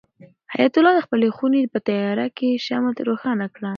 حیات الله د خپلې خونې په تیاره کې شمع روښانه کړه.